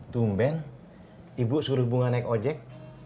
tumben ibu suruh bunga naik ojek